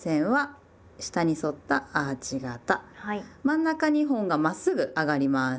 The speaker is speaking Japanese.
真ん中２本がまっすぐ上がります。